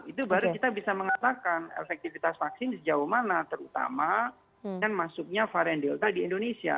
itu baru kita bisa mengatakan efektivitas vaksin sejauh mana terutama dan masuknya varian delta di indonesia